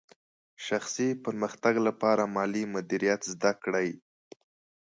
شخصي پرمختګ لپاره مالي مدیریت زده کړئ.